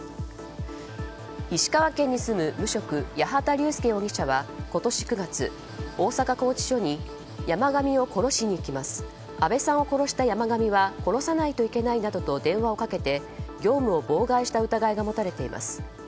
石川県に住む無職、八幡竜輔容疑者は今年９月、大阪拘置所に山上を殺しに行きます安倍さんを殺した山上は殺さないといけないなどと電話をかけて業務を妨害した疑いが持たれています。